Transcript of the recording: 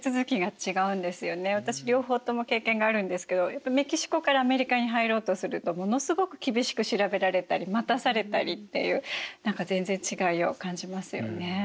私両方とも経験があるんですけどメキシコからアメリカに入ろうとするとものすごく厳しく調べられたり待たされたりっていう何か全然違いを感じますよね。